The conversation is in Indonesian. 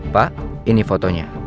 pak ini fotonya